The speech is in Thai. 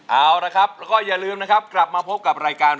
เอาละครับแล้วก็อย่าลืมนะครับกลับมาพบกับรายการ